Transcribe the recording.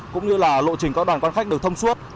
cũng như là lộ trình các đoàn quan khách được thông suốt